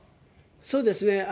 そうですね。